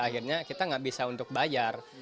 akhirnya kita nggak bisa untuk bayar